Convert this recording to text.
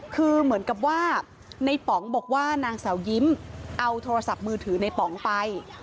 คือเหมือนกับว่าในป๋องบอกว่านางสาวยิ้มเอาโทรศัพท์มือถือในป๋องไป